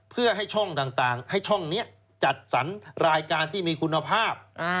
เพื่อให้ช่องต่างให้ช่องนี้จัดสรรรายการที่มีคุณภาพ